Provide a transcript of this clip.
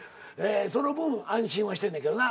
その分安心はしてんねんけどな。